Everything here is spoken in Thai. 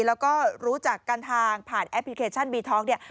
แล้วก็รู้จักกันทางผ่านแอปพลิเคชันบีท็อกเนี่ย